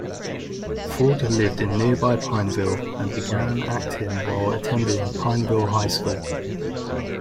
Ford lived in nearby Pineville and began acting while attending Pineville High School.